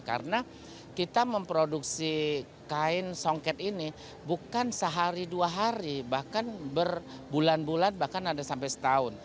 karena kita memproduksi kain songket ini bukan sehari dua hari bahkan berbulan bulan bahkan ada sampai setahun